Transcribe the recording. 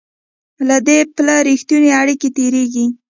له دې پله رښتونې اړیکې تېرېږي.